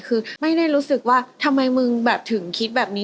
คือไม่ได้รู้สึกว่าทำไมมึงแบบถึงคิดแบบนี้